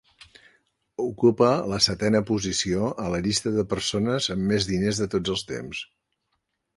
Ocupa la setena posició a la llista de persones amb més diners de tots els temps.